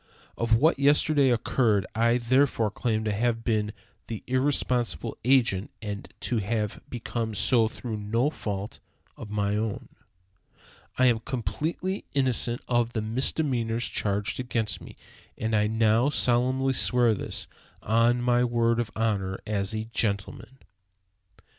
Of what yesterday occurred I therefore claim to have been the irresponsible agent, and to have become so through no fault of my own. I am completely innocent of the misdemeanors charged against me, and I now solemnly swear this, on my word of honor as a gentleman."